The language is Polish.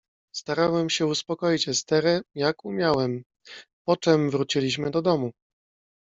"Starałem się uspokoić Esterę, jak umiałem, poczem wróciliśmy do domu."